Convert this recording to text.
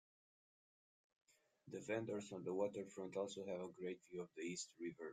The vendors on the waterfront also have a great view of the East River.